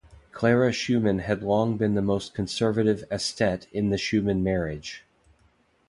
Clara Schumann had long been the more conservative aesthete in the Schumann marriage.